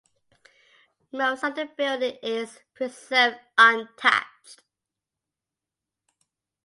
Most of the building is preserved untouched.